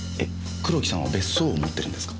黒木さんは別荘を持ってるんですか？